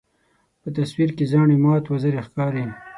په تصویر کې زاڼې مات وزرې ښکاري.